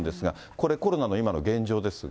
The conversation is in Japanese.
これ、コロナの今の現状ですが。